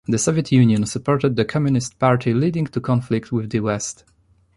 The Soviet Union supported the communist party, leading to conflict with the West.